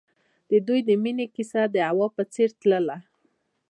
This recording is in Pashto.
د دوی د مینې کیسه د هوا په څېر تلله.